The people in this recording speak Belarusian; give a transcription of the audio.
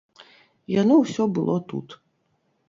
Яно ўсё было тут.